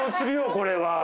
これは。